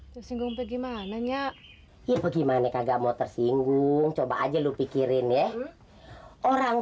tersinggung bagaimana nya ibu gimana kagak mau tersinggung coba aja lu pikirin ya orang